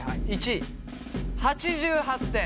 １位８８点。